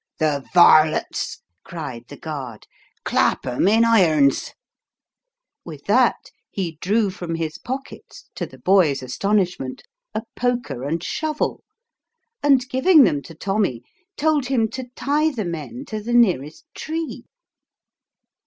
" The varlets !" cried the guard ;" clap 'em in irons 1" With that he drew from his pockets, to the boy's astonishment, a poker and shovel, and giving them to Tommy told him to tie the men to the nearest tree.